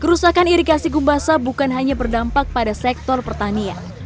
kerusakan irigasi gumbasa bukan hanya berdampak pada sektor pertanian